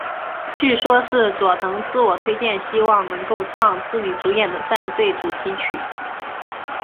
据说是佐藤自我推荐希望能够唱自己主演的战队主题曲。